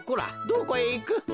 どこへいく？